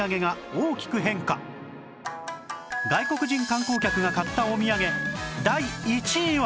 外国人観光客が買ったお土産第１位は